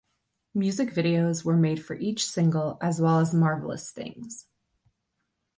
Music videos were made for each single, as well as "Marvelous Things".